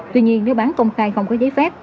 tuy nhiên nếu bán công khai không có giấy phép